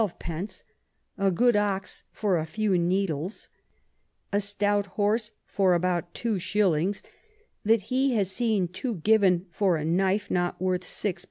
_ a good Ox for a few Needles, a stout Horse for about 2 s. that he has seen two given for a Knife not worth 6 _d.